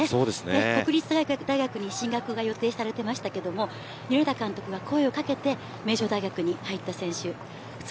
国立大学に進学が予定されていましたが監督が声を掛けて名城大学に入った選手です。